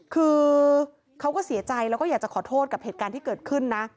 คือเขาก็เสียใจแล้วก็อยากจะขอโทษกับเหตุการณ์ที่เกิดขึ้นนะ